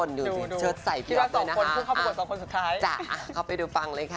เดี๋ยวเชิดใส่เปรียบไปนะคะอ่ะอ่ะเข้าไปดูฟังเลยค่ะ